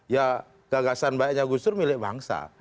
ya gagasan baiknya gus dur milik bangsa